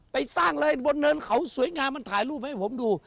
ไปสร้างเลยบนเนินเขาสวยงามมันถ่ายรูปให้ผมดู